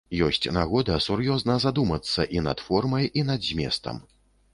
Ёсць нагода сур'ёзна задумацца і над формай, і над зместам.